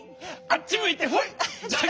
あっちむいてほい！